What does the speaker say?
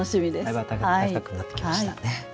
だいぶ暖かくなってきましたね。